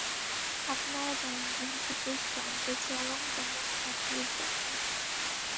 আপনারা জানেন, দুই বিপরীত প্রান্ত চরমে কেমন একরূপ দেখায়।